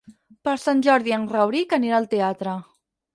Per Sant Jordi en Rauric anirà al teatre.